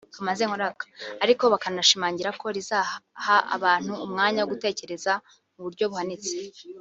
ariko bakanashimangira ko rizaha abantu umwanya wo gutekereza mu buryo buhanitse